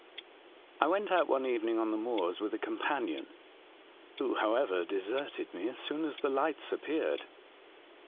" I went out one evening on the moors with a companion, who, however, deserted me as soon as the lights appeared.